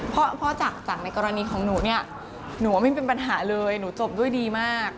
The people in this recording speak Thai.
เพราะจากในกรณีของหนูเนี่ยหนูว่าไม่มีปัญหาเลยหนูจบด้วยดีมาก